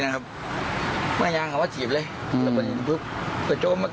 แรงงามปลอดภัณฑ์